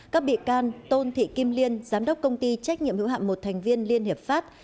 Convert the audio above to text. các bị can tôn thị kim liên giám đốc công ty trách nhiệm hữu hạm một thành viên liên hiệp pháp